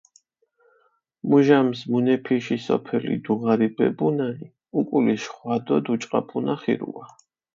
მუჟამს მუნეფიში სოფელი დუღარიბებუნანი, უკული შხვადო დუჭყაფუნა ხირუა.